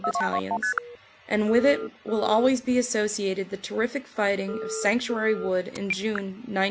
Battalions, and with it will always be associated the terrific fighting of Sanctuary Wood in June, 1916.